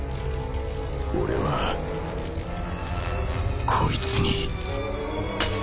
俺はこいつに